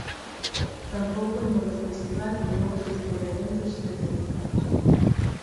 Tampouco hai moito festival nin outro tipo de eventos especializados.